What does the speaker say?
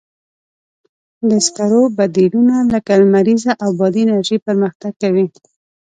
د سکرو بدیلونه لکه لمریزه او بادي انرژي پرمختګ کوي.